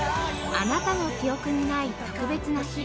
あなたの記憶にない特別な日